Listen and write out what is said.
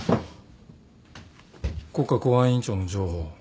国家公安委員長の情報。